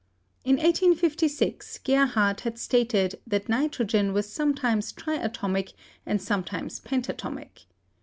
In 1856, Gerhardt had stated that nitrogen was sometimes triatomic and sometimes pentatomic.